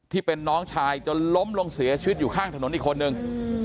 ที่เป็นน้องชายจนล้มลงเสียชีวิตอยู่ข้างถนนอีกคนนึง